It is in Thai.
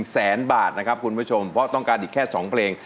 แสนบาทนะครับคุณผู้ชมเพราะต้องการอีกแค่๒เพลง